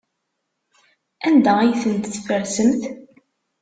Anda ay tent-tfersemt?